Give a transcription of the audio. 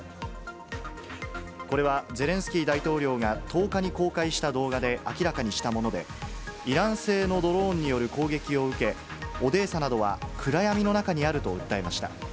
これはゼレンスキー大統領が１０日に公開した動画で明らかにしたもので、イラン製のドローンによる攻撃を受け、オデーサなどは暗闇の中にあると訴えました。